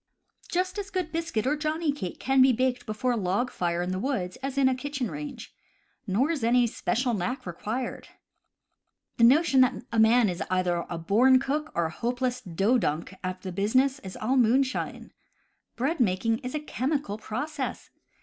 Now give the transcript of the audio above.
Just as good biscuit or johnny cake can be baked before a log fire in the woods as in a kitchen range. Nor is any special knack required. The notion that a man is either a born cook or a hope less " dodunk " at the business is all moonshine. Bread making is a chemical process.